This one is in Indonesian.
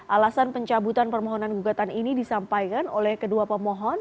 alasan pencabutan permohonan gugatan ini disampaikan oleh kedua pemohon